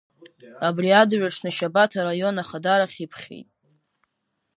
Абри адырҩаҽны Шьабаҭ араион ахадарахь иԥхьеит.